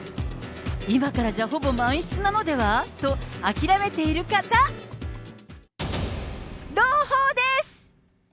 今からじゃ、ほぼ満室なのでは？と諦めている方、朗報です！